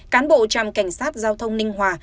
cán bộ trạm cảnh sát giao thông ninh hòa